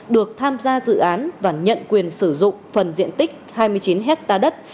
được tham gia dự án và nhận quyền sử dụng phần diện tích hai mươi chín hectare đất